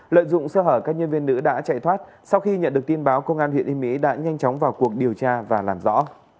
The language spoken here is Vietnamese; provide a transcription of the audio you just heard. lợi dụng sơ hở các nhân viên nữ đã chạy thoát sau khi nhận được tin báo công an huyện yên mỹ đã nhanh chóng vào cuộc điều tra và làm rõ